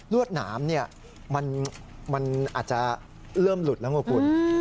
วดหนามมันอาจจะเริ่มหลุดแล้วไงคุณ